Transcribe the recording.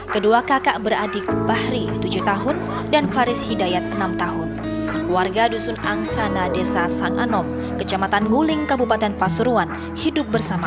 kondisi ekonomi yang memprihatinkan